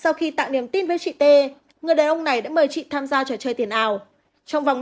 sau khi tặng niềm tin với chị t người đàn ông này đã mời chị tham gia trò chơi tiền ào trong vòng năm